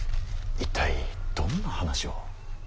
一体どんな話を？